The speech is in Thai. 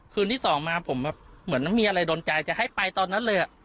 คืนที่สองมาผมแบบเหมือนไม่มีอะไรโดนใจจะให้ไปตอนนั้นเลย